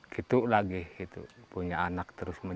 yau lagi punya anak